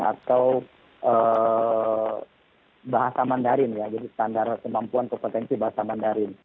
atau bahasa mandarin ya jadi standar kemampuan kompetensi bahasa mandarin